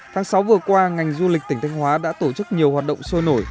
tháng sáu vừa qua ngành du lịch tỉnh thanh hóa đã tổ chức nhiều hoạt động sôi nổi